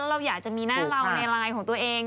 เราอยากจะมีหน้าเราในไลน์ของตัวเอง